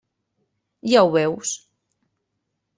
Ja ho veus.